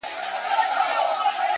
خو زه بيا داسي نه يم;